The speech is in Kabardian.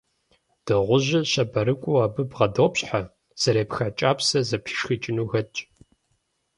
Дыгъужьыр щабэрыкӀуэу абы бгъэдопщхьэ, зэрепха кӀапсэр зэпишхыкӀыну хэтщ.